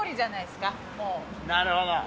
なるほど。